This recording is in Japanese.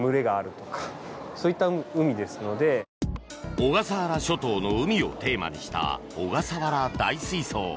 小笠原諸島の海をテーマにした小笠原大水槽。